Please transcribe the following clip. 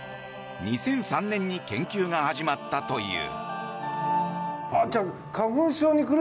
２００３年に研究が始まったという。